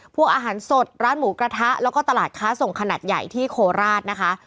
พวกอาหารสดร้านหมูกระทะแล้วก็ตลาดค้าส่งขนาดใหญ่ที่โคราชนะคะ